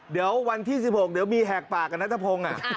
เดี๋ยววันที่๑๖มีแหกปากกับนัธพงก์อ่ะ